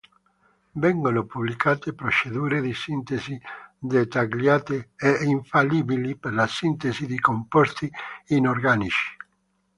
Vengono pubblicate procedure di sintesi "dettagliate e infallibili" per la sintesi di composti inorganici.